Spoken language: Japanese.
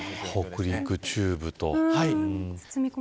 北陸、中部と。